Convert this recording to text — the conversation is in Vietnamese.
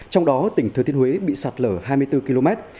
trong đó tỉnh thừa thiên huế bị sạt lở hai mươi bốn km